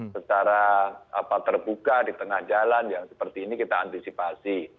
secara terbuka di tengah jalan yang seperti ini kita antisipasi